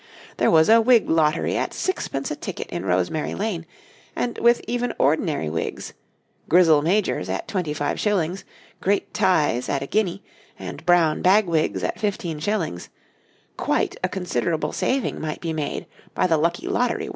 There was a wig lottery at sixpence a ticket in Rosemary Lane, and with even ordinary wigs Grizzle Majors at twenty five shillings, Great Tyes at a guinea, and Brown Bagwigs at fifteen shillings quite a considerable saving might be made by the lucky lottery winner.